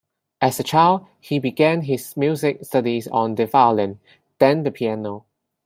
As a child, he began his music studies on the violin, then the piano.